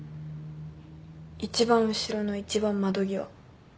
一番後ろの一番窓際。